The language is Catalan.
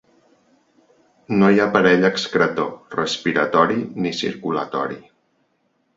No hi ha aparell excretor, respiratori ni circulatori.